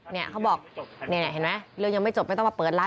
เนี่ยเขาบอกนี่เห็นไหมเรื่องยังไม่จบไม่ต้องมาเปิดร้าน